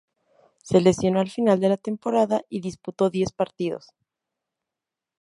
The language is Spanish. Se lesionó al final de la temporada y disputó diez partidos.